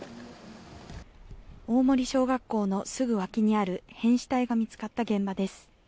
大森小学校のすぐ脇にある変死体が見つかった現場です。